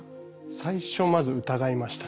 最初まず疑いましたね。